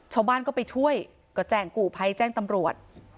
ชาวบ้านก็ไปช่วยก็แจ้งกู่ภัยแจ้งตำรวจ